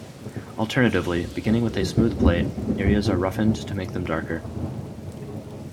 Alternatively, beginning with a smooth plate, areas are roughened to make them darker.